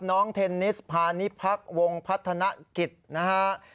เทนนิสพาณิพักษ์วงพัฒนกิจนะฮะ